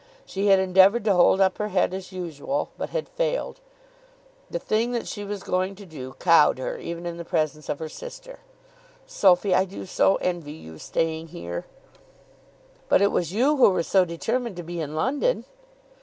She had endeavoured to hold up her head as usual, but had failed. The thing that she was going to do cowed her even in the presence of her sister. "Sophy, I do so envy you staying here." "But it was you who were so determined to be in London."